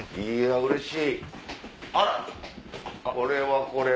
うれしい！